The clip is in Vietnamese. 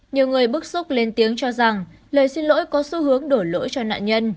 nhiều người bức xúc lên tiếng cho rằng lời xin lỗi có xu hướng đổi lỗi cho nạn nhân